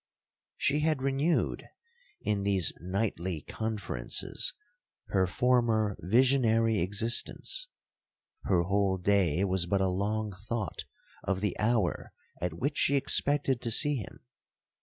'She had renewed, in these nightly conferences, her former visionary existence. Her whole day was but a long thought of the hour at which she expected to see him.